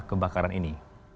tiba kebakaran ini